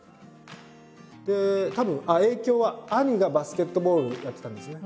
影響は兄がバスケットボールやってたんですね。